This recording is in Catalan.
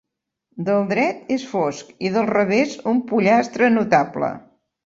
Del dret és fosc i del revés un pollastre notable.